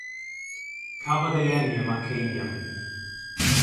Cafodd ei eni ym Manceinion.